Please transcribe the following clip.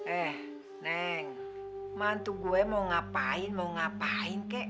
eh neng mantu gue mau ngapain mau ngapain kek